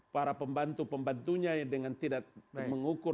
para pembantu pembantunya dengan tidak mengukur